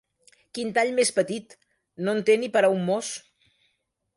Quin tall més petit: no en té ni per a un mos.